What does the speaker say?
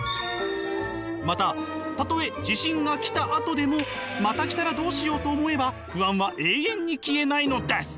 またたとえ地震が来たあとでもまた来たらどうしようと思えば不安は永遠に消えないのです。